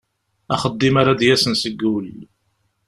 Axeddim ara d-yasen seg wul.